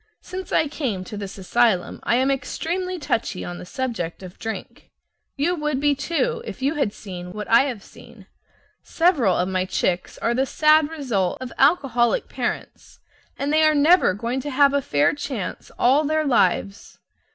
Since I came to this asylum I am extremely touchy on the subject of drink. You would be, too, if you had seen what I have seen. Several of my chicks are the sad result of alcoholic parents, and they are never going to have a fair chance all their lives.